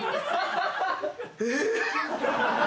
えっ！？